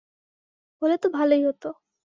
হলে তো ভালোই হতো।